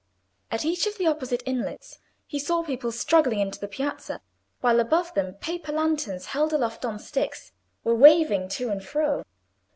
At each of the opposite inlets he saw people struggling into the piazza, while above them paper lanterns, held aloft on sticks, were waving uncertainly to and fro.